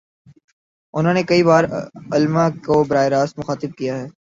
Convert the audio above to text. انہوں نے کئی بارعلما کو براہ راست مخاطب کیا ہے۔